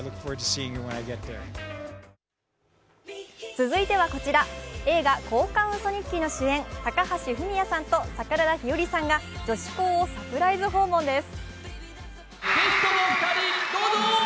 続いてはこちら、映画「交換ウソ日記」の主演・高橋文哉さんと桜田ひよりさんが女子校をサプライズ訪問です。